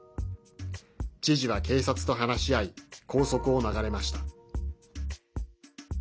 知事は警察と話し合い拘束を逃れました。